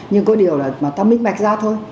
nhưng có điều là ta minh bạch ra thôi